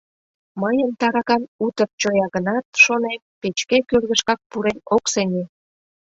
Мыйын таракан утыр чоя гынат, шонем, печке кӧргышкак пурен ок сеҥе.